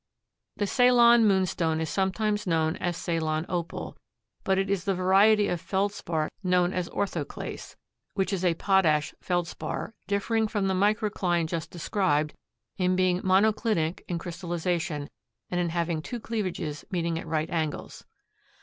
The Ceylon moonstone is sometimes known as Ceylon opal, but it is the variety of Feldspar known as orthoclase, which is a potash Feldspar, differing from the microcline just described in being monoclinic in crystallization and in having two cleavages meeting at right angles.